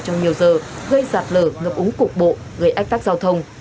trong nhiều giờ gây sạt lở ngập úng cục bộ gây ách tắc giao thông